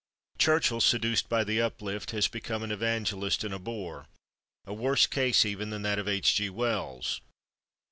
Churchill, seduced by the uplift, has become an evangelist and a bore—a worse case, even, than that of H. G. Wells.